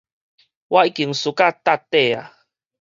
我已經輸甲貼底矣